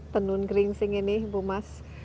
tenun geringsing ini bu mas